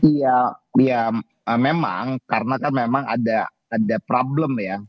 iya ya memang karena kan memang ada problem ya